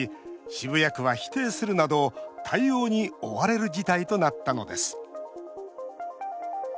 渋谷区は否定するなど対応に追われる事態となったのです。